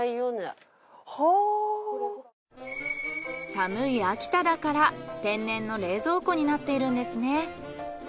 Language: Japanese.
寒い秋田だから天然の冷蔵庫になっているんですね。